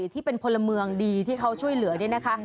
ที่เป็นพลเมืองดีที่เขาช่วยเหลือเนี่ยนะคะ